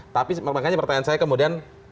tapi makanya pertanyaan saya kemudian